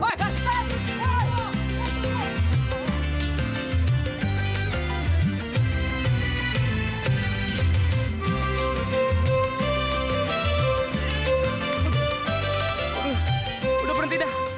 aduh udah berhenti dah